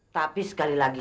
tapi sekali lagi